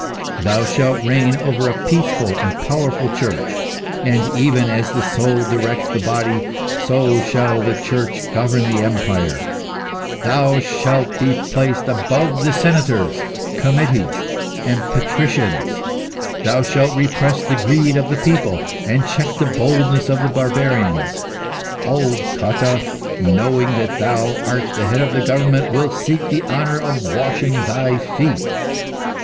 Thou shalt reign over a peaceful and powerful Church. And, even as the soul directs the body, so shall the Church govern the empire. Thou shalt be placed above senators, comites, and patricians. Thou shalt repress the greed of the people, and check the boldness of the barbarians. Old Cotta, knowing that thou art the head of the government, will seek the honour of washing thy feet.